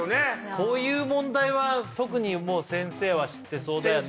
こういう問題は特に先生は知ってそうだよね